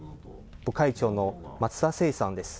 部会長の松田斉さんです。